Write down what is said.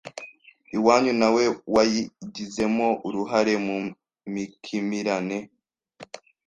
iwanyu nawe waigizemo uruhare mumkimirane